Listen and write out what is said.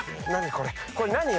これ何よ？